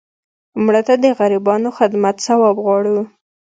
مړه ته د غریبانو خدمت ثواب غواړو